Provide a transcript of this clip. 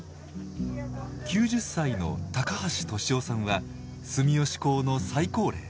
９０歳の高橋俊雄さんは住吉講の最高齢。